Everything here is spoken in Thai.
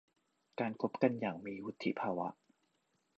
การคบกันอย่างมีวุฒิภาวะ